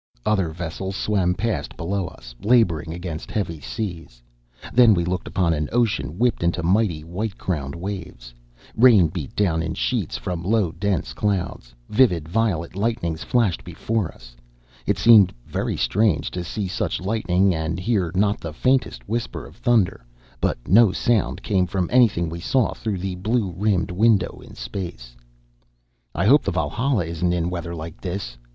Other vessels swam past below us, laboring against heavy seas. Then we looked upon an ocean whipped into mighty white crowned waves. Rain beat down in sheets from low dense clouds; vivid violet lightnings flashed before us. It seemed very strange to see such lightning and hear not the faintest whisper of thunder but no sound came from anything we saw through the blue rimmed window in space. "I hope the Valhalla isn't in weather like this!"